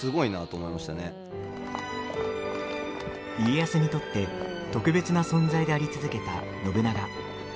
家康にとって特別な存在であり続けた信長。